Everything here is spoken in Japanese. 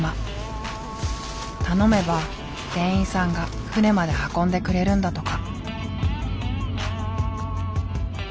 頼めば店員さんが船まで運んでくれるんだとか。